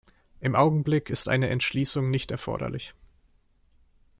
Im Augenblick ist eine Entschließung nicht erforderlich.